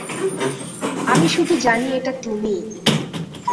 আমি শুধু জানি এটা তুমিই।